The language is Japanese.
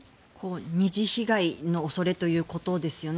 ２次被害の恐れということですよね。